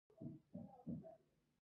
د چغسرای نوم په تاریخ کې راغلی